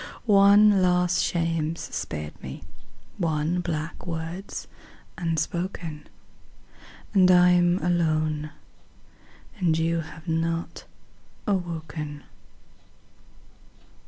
One last shame's spared me, one black word's unspoken; And I'm alone; and you have not awoken.